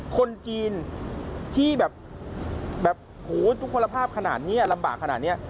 คนจีนที่แบบโหทุกคนภาพขนาดนี้ลำบากขนาดนี้